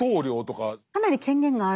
かなり権限がある。